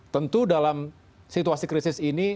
tentu dalam situasi krisis ini